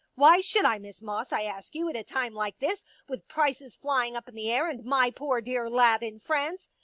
Why should I, Miss Moss, I ask you, at a time like this, with prices flying up in the air and my poor dear lad in France